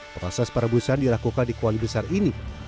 proses perebusan dilakukan di kuali besar ini